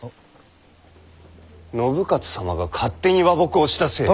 信雄様が勝手に和睦をしたせいで。